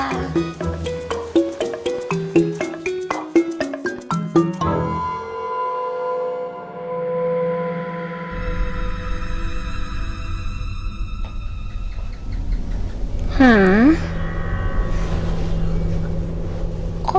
ya sudah deh